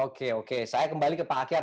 oke oke saya kembali ke pak akyat